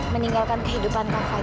meninggalkan kehidupan kak fadil